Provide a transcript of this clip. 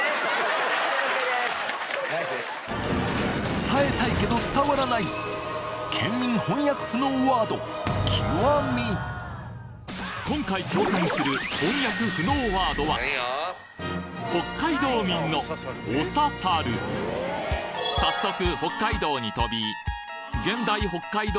伝えたいけど伝わらない今回挑戦する翻訳不能ワードは早速北海道に飛び現代北海道